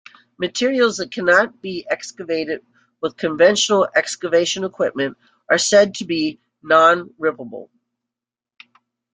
Materials that cannot be excavated with conventional excavation equipment are said to be non-rippable.